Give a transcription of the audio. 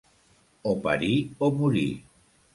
O parir o morir.